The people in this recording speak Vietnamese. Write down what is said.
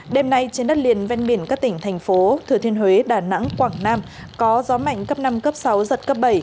đêm nay trên đất liền ven biển các tỉnh thành phố thừa thiên huế đà nẵng quảng nam có gió mạnh cấp năm cấp sáu giật cấp bảy